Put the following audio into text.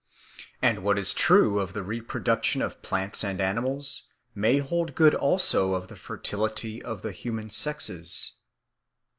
And what is true of the reproduction of plants and animals may hold good also of the fertility of the human sexes.